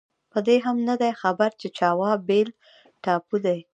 په دې هم نه دی خبر چې جاوا بېل ټاپو دی.